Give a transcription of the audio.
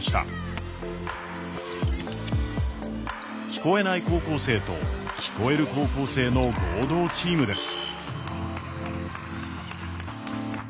聞こえない高校生と聞こえる高校生の合同チームです。